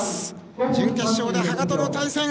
準決勝で羽賀との対戦。